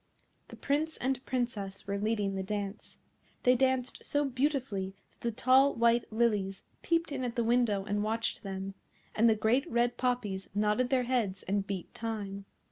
The Prince and Princess were leading the dance. They danced so beautifully that the tall white lilies peeped in at the window and watched them, and the great red poppies nodded their heads and beat time.